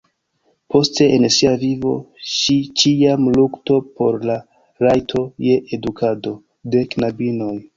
Poste en sia vivo ŝi ĉiam lukto por la rajto je edukado de knabinoj.